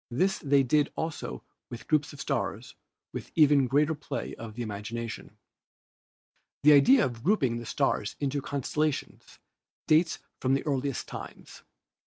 This they did also with groups of stars with even greater play of the imagination. The idea of grouping the stars into constellations dates from the earliest times.